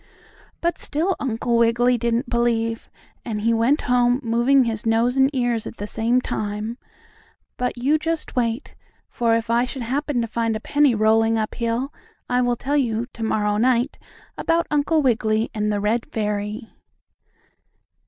But still Uncle Wiggily didn't believe, and he went home, moving his nose and ears at the same time. But you just wait, for if I should happen to find a penny rolling up hill, I will tell you, to morrow night, about Uncle Wiggily and the red fairy.